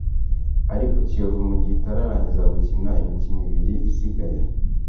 ariko Kiyovu mu gihe itararangiza gukina imikino ibiri isigaye